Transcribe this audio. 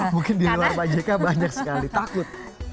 mungkin di luar pak jk banyak sekali takut